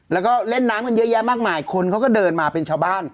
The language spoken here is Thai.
แล้วก็เล่นน้ำกันเยอะแยะมากมายคนเขาก็เดินมาเป็นชาวบ้าน